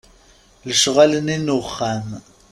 Lecɣal-nni n uxxam.